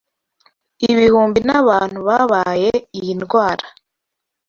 Ibihumbi n’abantu babaye iyi ndwara.